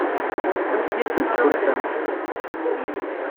Amek i asent-tḥulfam?